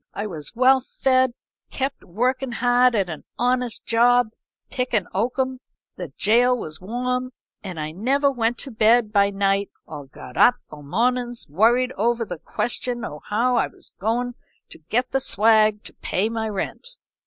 I was well fed; kept workin' hard at an honest job, pickin' oakum; the gaol was warm, and I never went to bed by night or got up o' mornin's worried over the question o' how I was goin' to get the swag to pay my rent.